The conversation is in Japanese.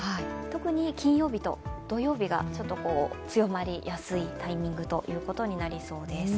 特に金曜日と土曜日がちょっと強まりやすいタイミングとなりそうです。